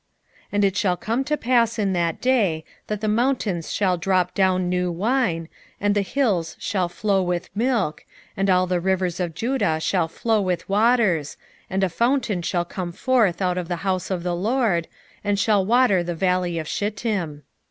3:18 And it shall come to pass in that day, that the mountains shall drop down new wine, and the hills shall flow with milk, and all the rivers of Judah shall flow with waters, and a fountain shall come forth out of the house of the LORD, and shall water the valley of Shittim.